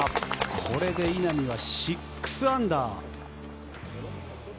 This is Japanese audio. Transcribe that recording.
これで稲見は６アンダー。